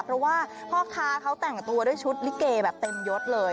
เพราะว่าพ่อค้าเขาแต่งตัวด้วยชุดลิเกแบบเต็มยดเลย